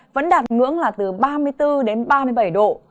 vẫn đạt ngưỡng là từ ba mươi bốn đến ba mươi bảy độ